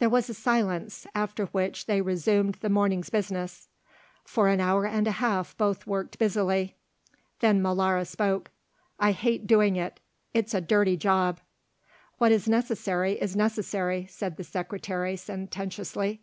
There was a silence, after which they resumed the morning's business. For an hour and a half both worked busily. Then Molara spoke. "I hate doing it; it's a dirty job." "What is necessary, is necessary," said the Secretary sententiously.